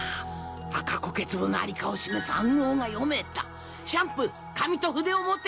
赤こけ壺の在りかを示す暗号が読めたシャンプー紙と筆を持て！